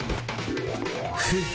フッ！